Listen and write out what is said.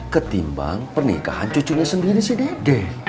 ketimbang pernikahan cucunya sendiri si dede